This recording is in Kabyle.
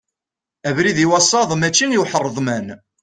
Abrid i wasaḍ mačči i uḥreḍman.